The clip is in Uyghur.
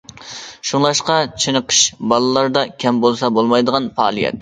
شۇڭلاشقا چېنىقىش بالىلاردا كەم بولسا بولمايدىغان پائالىيەت.